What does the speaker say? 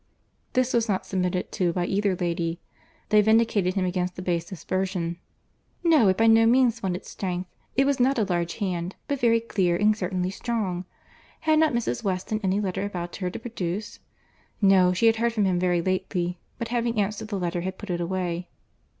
This was not submitted to by either lady. They vindicated him against the base aspersion. "No, it by no means wanted strength—it was not a large hand, but very clear and certainly strong. Had not Mrs. Weston any letter about her to produce?" No, she had heard from him very lately, but having answered the letter, had put it away.